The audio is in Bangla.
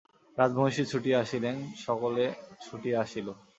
রাজমহিষী ছুটিয়া আসিলেন, সকলে ছুটিয়া আসিল!